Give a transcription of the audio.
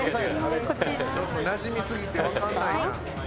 ちょっとなじみすぎてわかんないな。